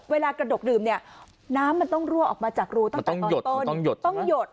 เวลากระดกดื่มเนี่ยน้ำมันต้องรั่วออกมาจากรูตั้งแต่ตอนต้นต้องหยด